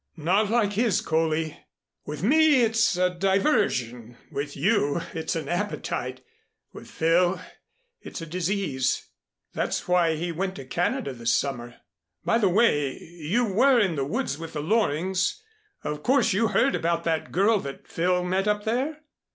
"Not like his, Coley. With me it's a diversion, with you it's an appetite, with Phil it's a disease. That's why he went to Canada this summer. By the way, you were in the woods with the Lorings, of course you heard about that girl that Phil met up there?"